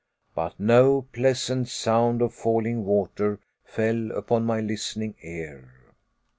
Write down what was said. But no pleasant sound of falling water fell upon my listening ear.